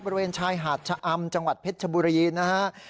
บริเวณชายหาดชะอำจังหวัดเพชรชบุรีนะฮะ